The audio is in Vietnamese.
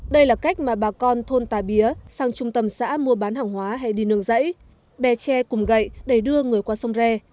đây là cách mà bà con thôn tà bía sang trung tâm xã mua bán hàng hóa hay đi nương rẫy bè tre cùng gậy để đưa người qua sông re